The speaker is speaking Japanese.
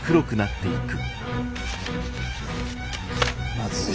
まずいッ！